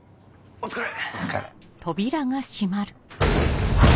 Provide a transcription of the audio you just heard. お疲れ。